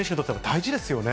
大事ですね。